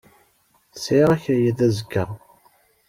Sɛiɣ akayad azekka.